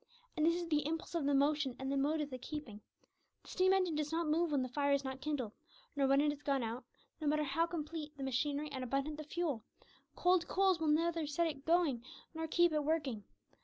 And this is the impulse of the motion and the mode of the keeping. The steam engine does not move when the fire is not kindled, nor when it is gone out; no matter how complete the machinery and abundant the fuel, cold coals will neither set it going nor keep it working.